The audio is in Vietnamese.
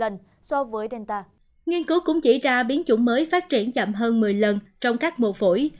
nhiều nghiên cứu cũng chỉ ra biến chủng mới phát triển chậm hơn một mươi lần trong các mùa phổi